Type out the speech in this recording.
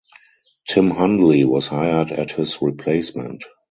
Tim Hundley was hired as his replacement.